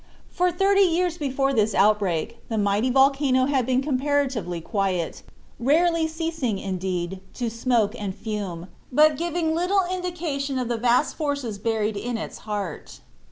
For thirty years before this outbreak the mighty volcano had been comparatively quiet, rarely ceasing, indeed, to smoke and fume, but giving little indication of the vast forces buried in its heart.